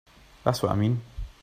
That's what I mean.